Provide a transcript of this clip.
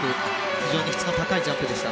非常に質の高いジャンプでした。